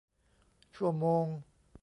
ชั่วโมง